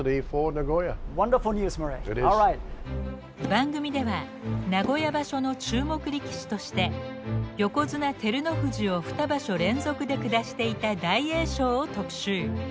番組では名古屋場所の注目力士として横綱照ノ富士を二場所連続で下していた大栄翔を特集。